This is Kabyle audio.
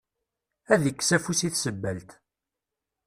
Ad ikkes afus i tsebbalt.